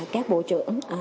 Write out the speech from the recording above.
các bộ trưởng